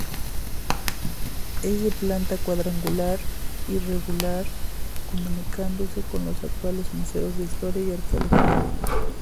Es de planta cuadrangular irregular, comunicándose con los actuales museos de historia y arqueología.